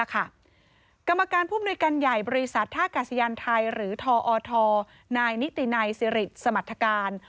กรรมการผู้บริการใหญ่บริษัทท่ากาศิยันทร์ไทยหรือทอทนนิตินายศิริสต์สมัติการ